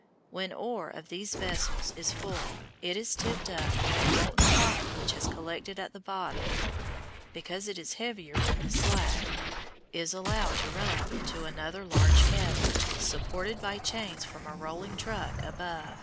When ore of these vessels is full it is tipped up and the molten copper which has collected at the bottom, because it is heavier than the slag, is allowed to run into another large kettle, supported by chains from a rolling truck above.